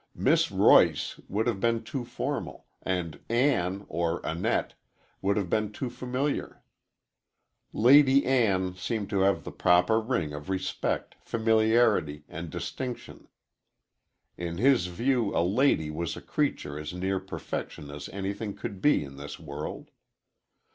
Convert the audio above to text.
"Miss Roice" would have been too formal, and "Ann" or "Annette" would have been too familiar. "Lady Ann" seemed to have the proper ring of respect, familiarity, and distinction. In his view a "lady" was a creature as near perfection as anything could be in this world.